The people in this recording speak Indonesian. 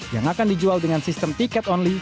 yang akan dijual dengan sistem tiket only